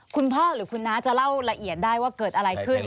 คุณพ่อหรือคุณน้าจะเล่าละเอียดได้ว่าเกิดอะไรขึ้น